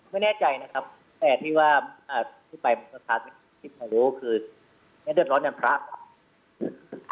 ไม่แน่ใจนะครับแต่ที่ว่าที่ไปมันก็คือด้วยร้อนกับพระ